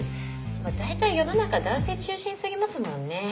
まあ大体世の中男性中心すぎますもんね。